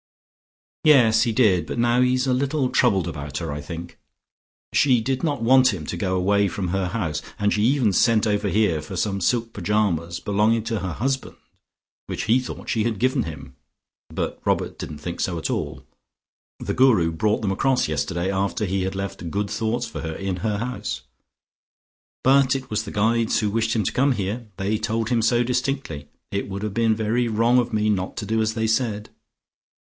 "Yes, he did. But now he is a little troubled about her, I think. She did not want him to go away from her house, and she sent over here for some silk pyjamas belonging to her husband, which he thought she had given him. But Robert didn't think so at all. The Guru brought them across yesterday after he had left good thoughts for her in her house. But it was the Guides who wished him to come here; they told him so distinctly. It would have been very wrong of me not to do as they said."